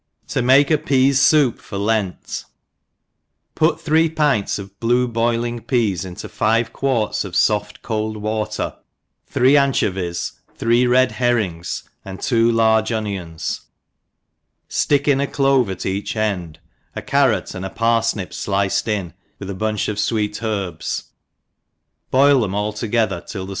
To make a Psas Soup for Lent^ PUT three pints of blue boiling peas iiito five quarts of loft cold water, three anchovies, three red herrings, and two large onions, fl:ick in a clove at each enrd, a carrot and a parfntp fliced in, with a bunch of fweet herbs, boil them \a ENGLISH HOUSE KEEPER. t| them all tog^Uier» till the.